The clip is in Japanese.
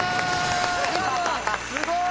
すごい！